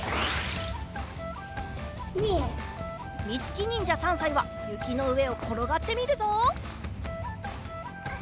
みつきにんじゃ３さいはゆきのうえをころがってみるぞ。